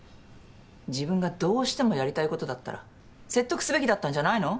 自分がどうしてもやりたいことだったら説得すべきだったんじゃないの？